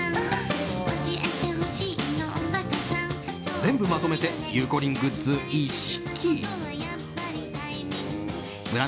全部まとめてゆうこりんグッズ一式。